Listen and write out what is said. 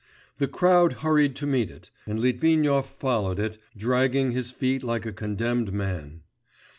The crowd hurried to meet it, and Litvinov followed it, dragging his feet like a condemned man.